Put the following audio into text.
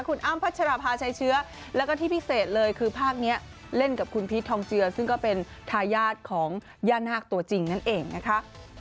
คุณอ้ำพัชราภาชัยเชื้อแล้วก็ที่พิเศษเลยคือภาพนี้เล่นกับคุณพีชทองเจือซึ่งก็เป็นทายาทของย่านาคตัวจริงนั่นเองนะคะ